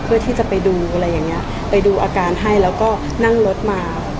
ไปดูอาการให้งั้นก็นั่งรถมา